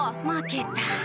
負けた。